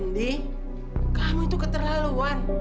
indi kamu itu keterlaluan